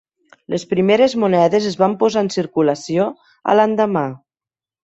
Les primeres monedes es van posar en circulació a l'endemà.